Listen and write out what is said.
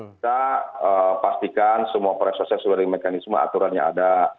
kita pastikan semua proses dan mekanisme aturannya ada